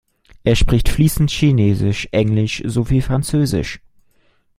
Er spricht fließend Chinesisch, Englisch sowie Französisch.